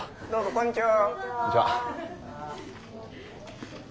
こんにちは。